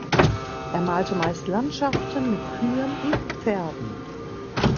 Er malte meist Landschaften mit Kühen und Pferden.